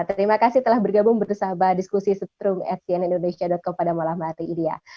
terima kasih telah bergabung bersama diskusi setrum fcnindonesia com pada malam hari ini ya